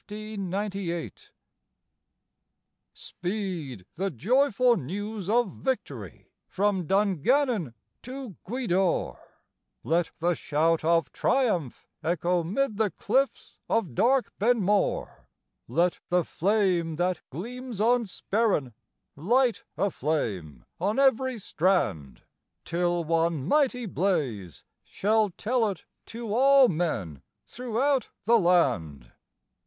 _) Speed the joyful news of victory from Dungannon to Gweedore, Let the shout of triumph echo 'mid the cliffs of dark Benmore, Let the flame that gleams on Sperrin light a flame on every strand, Till one mighty blaze shall tell it to all men throughout the land.